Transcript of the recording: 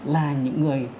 là những người